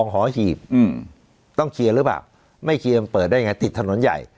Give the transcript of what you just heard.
หอหีบต้องเคลียร์หรือเปล่าไม่เคลียร์มันเปิดได้ไงติดถนนใหญ่